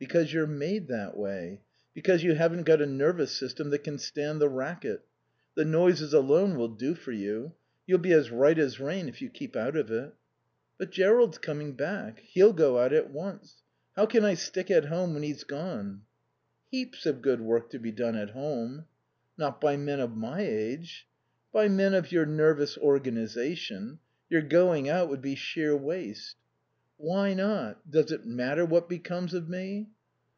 "Because you're made that way, because you haven't got a nervous system that can stand the racket. The noises alone will do for you. You'll be as right as rain if you keep out of it." "But Jerrold's coming back. He'll go out at once. How can I stick at home when he's gone?" "Heaps of good work to be done at home." "Not by men of my age." "By men of your nervous organization. Your going out would be sheer waste." "Why not?" Does it matter what becomes of me?"